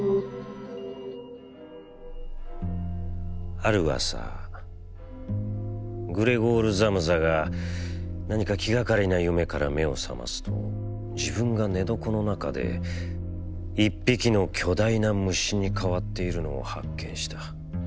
「ある朝、グレゴール・ザムザがなにか気がかりな夢から目をさますと、自分が寝床の中で一匹の巨大な虫に変わっているのを発見した。